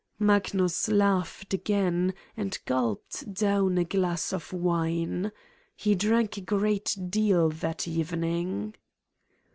Magnus laughed again and gulped down a glass of wine. He drank a great deal that evening.